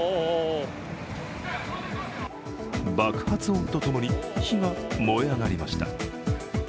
爆発音と共に火が燃え上がりました。